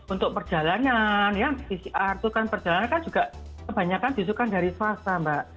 untuk perjalanan pcr itu kan perjalanan kan juga kebanyakan disukai dari swasta mbak